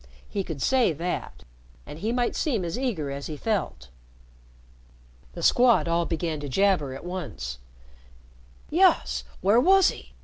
He could say that, and he might seem as eager as he felt. The Squad all began to jabber at once. "Yus, where wos'e?